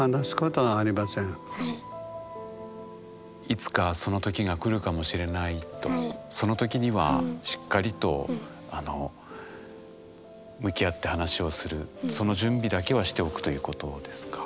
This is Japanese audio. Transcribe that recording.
いつかそのときがくるかもしれないとそのときにはしっかりと向き合って話をするその準備だけはしておくということですか？